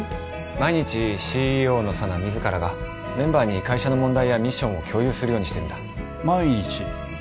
毎日ＣＥＯの佐奈自らがメンバーに会社の問題やミッションを共有するようにしてるんだ毎日？